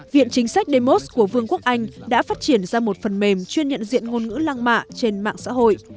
viện chính sách demos của vương quốc anh đã phát triển ra một phần mềm chuyên nhận diện ngôn ngữ lang mạ trên mạng xã hội